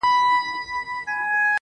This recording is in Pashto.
نن خو د پخوا نه داسې ښه غوندې ښکاریږې